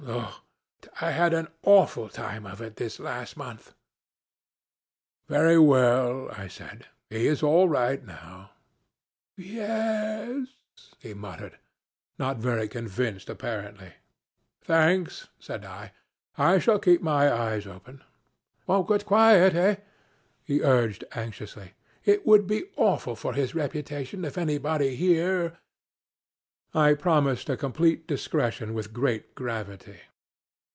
Oh, I had an awful time of it this last month.' 'Very well,' I said. 'He is all right now.' 'Ye e es,' he muttered, not very convinced apparently. 'Thanks,' said I; 'I shall keep my eyes open.' 'But quiet eh?' he urged, anxiously. 'It would be awful for his reputation if anybody here ' I promised a complete discretion with great gravity.